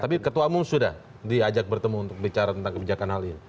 tapi ketua umum sudah diajak bertemu untuk bicara tentang kebijakan hal ini